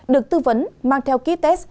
được tư vấn mang theo kit test